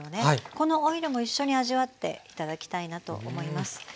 このオイルも一緒に味わって頂きたいなと思います。